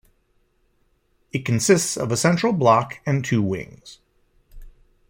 It consists of a central block and two wings.